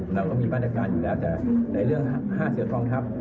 เราก็มีบรรยากาศอยู่แล้วแต่เรื่องห้าเสือทองทัพ